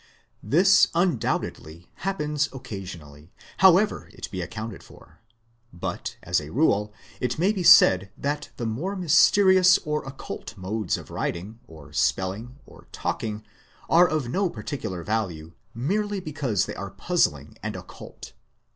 This undoubtedly happens occasionally, however it be ac counted for ; but, as a rule, it may be said that the more mysterious or occult modes of writing, or spelling, or talking, are of no parti cular value merely because they are puzzling and occult.